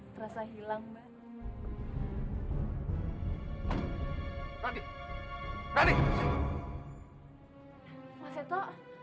terasa hilang banget tadi tadi maseto